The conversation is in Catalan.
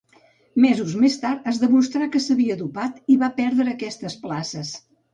Mesos més tard es demostrà que s'havia dopat i va perdre aquestes places.